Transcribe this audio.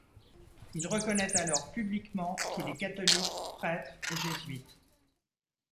Il reconnaît alors publiquement qu’il est catholique, prêtre et jésuite.